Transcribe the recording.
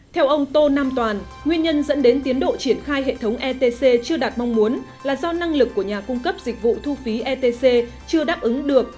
theo ông tô nam toàn nguyên nhân dẫn đến tiến độ triển khai hệ thống etc chưa đạt mong muốn là do năng lực của nhà cung cấp dịch vụ thu phí etc chưa đáp ứng được